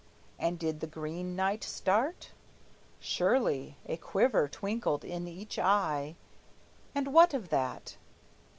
and did the Green Knight start? Surely a quiver twinkled in each eye; But what of that?